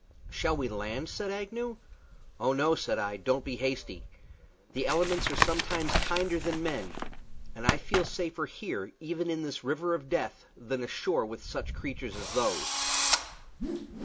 "Shall we land?" said Agnew. "Oh no," said I. "Don't be hasty. The elements are sometimes kinder than men, and I feel safer here, even in this river of death, than ashore with such creatures as those."